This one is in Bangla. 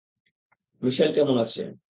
মিশেল কেমন আছে?